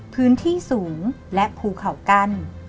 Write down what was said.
พื้นที่สูงและภูเขากั้น